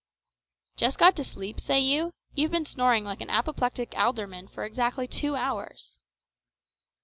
"Just got to sleep, say you? You've been snoring like an apoplectic alderman for exactly two hours."